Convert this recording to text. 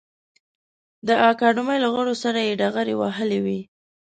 د اکاډمۍ له غړو سره یې ډغرې وهلې وې.